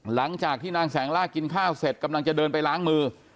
หลังจากที่นางแสงล่ากินข้าวเสร็จกำลังจะเดินไปล้างมือ